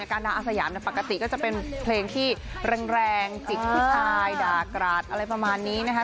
การดาอาสยามปกติก็จะเป็นเพลงที่แรงจิกผู้ชายด่ากราดอะไรประมาณนี้นะคะ